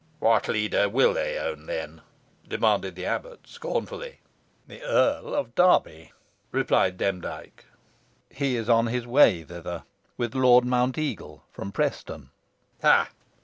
"What leader will they own, then?" demanded the abbot, scornfully. "The Earl of Derby," replied Demdike. "He is on his way thither with Lord Mounteagle from Preston." "Ha!"